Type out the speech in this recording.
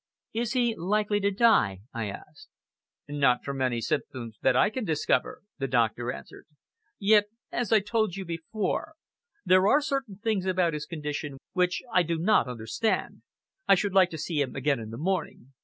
"Is he likely to die?" I asked. "Not from any symptoms that I can discover," the doctor answered. "Yet, as I told you before, there are certain things about his condition which I do not understand. I should like to see him again in the morning!